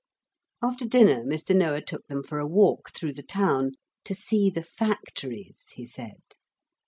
After dinner Mr. Noah took them for a walk through the town, 'to see the factories,' he said.